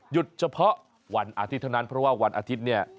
เฉพาะวันอาทิตย์เท่านั้นเพราะว่าวันอาทิตย์เนี่ย